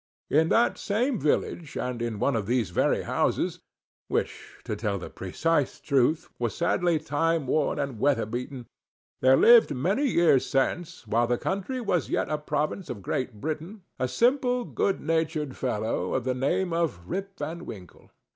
In that same village, and in one of these very houses (which, to tell the precise truth, was sadly time worn and weather beaten), there lived many years since, while the country was yet a province of Great Britain, a simple good natured fellow of the name of Rip Van Winkle.